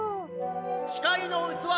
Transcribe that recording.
「ちかいのうつわ」